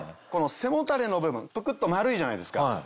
この背もたれの部分プクっと丸いじゃないですか。